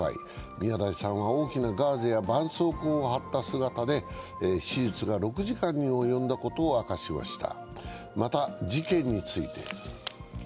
宮台さんは大きなガーゼやばんそうこうを貼った姿で、手術が６時間に及んだことを明かしました。